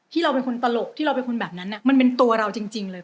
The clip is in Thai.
ที่เราเป็นคนตลกที่เราเป็นคนแบบนั้นเนี่ย